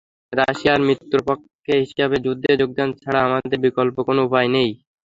রাশিয়ার মিত্রপক্ষ হিসেবে যুদ্ধে যোগদান ছাড়া আমাদের বিকল্প কোনো উপায় নেই।